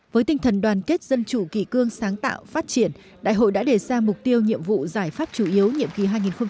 với tinh thần đoàn kết dân chủ kỳ cương sáng tạo phát triển đại hội đã đề ra mục tiêu nhiệm vụ giải pháp chủ yếu nhiệm kỳ hai nghìn hai mươi hai nghìn hai mươi năm